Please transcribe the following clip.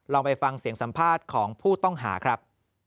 ไปฟังเสียงสัมภาษณ์ของผู้ต้องหาครับ